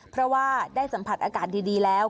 เพราะว่าได้สัมผัสอากาศดีแล้ว